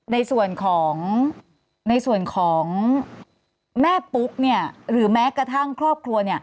ในส่วนของแม่ปุ๊กหรือแม้กระทั่งครอบครัว